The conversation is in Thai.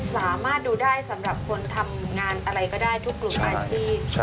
สามารถดูได้สำหรับคนทำงานอะไรก็ได้ทุกกลุ่มอาชีพ